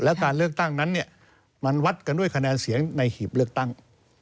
แล้วการเลือกตั้งนั้นมันวัดกันด้วยคะแนนเสียงในหีบเลือกตั้ง